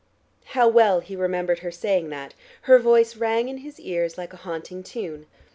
How well he remembered her saying that; her voice rang in his ears like a haunting tune!